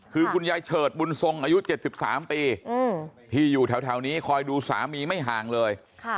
คือคุณยายเฉิดบุญทรงอายุ๗๓ปีที่อยู่แถวนี้คอยดูสามีไม่ห่างเลย